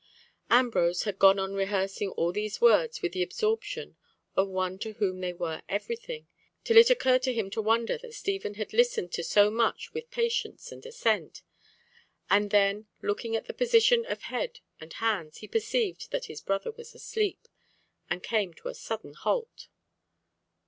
'" Ambrose had gone on rehearsing all these words with the absorption of one to whom they were everything, till it occurred to him to wonder that Stephen had listened to so much with patience and assent, and then, looking at the position of head and hands, he perceived that his brother was asleep, and came to a sudden halt.